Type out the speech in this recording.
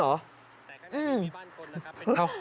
แต่ข้างนี้ไม่มีบ้านคนล่ะครับ